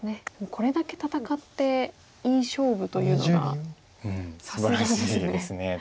これだけ戦っていい勝負というのがさすがですね。